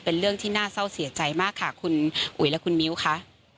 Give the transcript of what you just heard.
เป็นเรื่องที่น่าเศร้าเสียใจมากค่ะคุณอุ๋ยและคุณมิ้วค่ะ